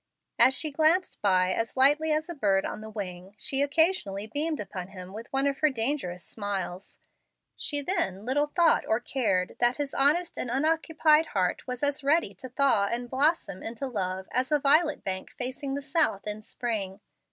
As she glanced by as lightly as a bird on the wing, she occasionally beamed upon him with one of her dangerous smiles. She then little thought or cared that his honest and unoccupied heart was as ready to thaw and blossom into love as a violet bank facing the south in spring.